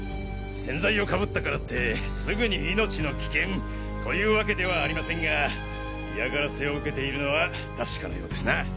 洗剤をかぶったからってすぐに命の危険というわけではありませんが嫌がらせを受けているのは確かなようですな。